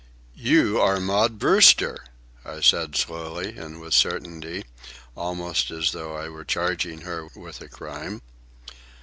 "You are Maud Brewster," I said slowly and with certainty, almost as though I were charging her with a crime.